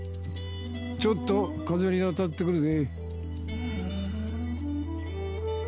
ちょっと風に当たって来るぜ。